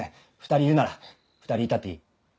２人いるなら２人いたっていい。